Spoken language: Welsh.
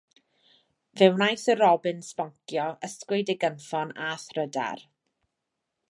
Fe wnaeth y robin sboncio, ysgwyd ei gynffon a thrydar.